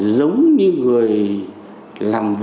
giống như người làm vợ